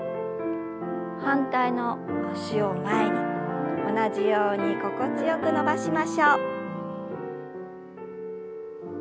反対の脚を前に同じように心地よく伸ばしましょう。